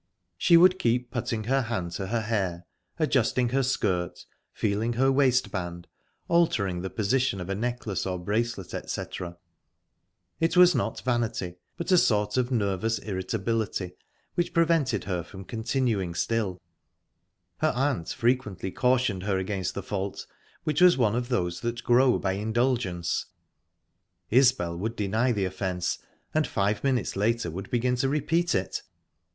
She would keep putting her hand to her hair, adjusting her skirt, feeling her waist band, altering the position of a necklace or bracelet, etc. It was not vanity, but a sort of nervous irritability, which prevented her from continuing still. Her aunt frequently cautioned her against the fault, which was one of those that grow by indulgence; Isbel would deny the offence, and five minutes later would begin to repeat it.